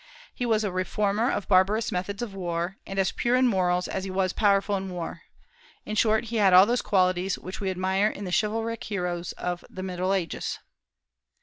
He was a reformer of barbarous methods of war, and as pure in morals as he was powerful in war. In short, he had all those qualities which we admire in the chivalric heroes of the Middle Ages.